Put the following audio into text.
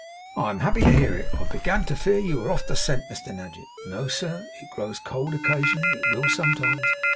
'I am happy to hear it. I began to fear you were off the scent, Mr Nadgett.' 'No, sir. It grows cold occasionally. It will sometimes.